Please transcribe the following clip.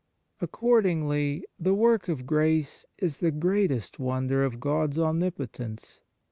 Accordingly the work of grace is the greatest wonder of God s omnipotence.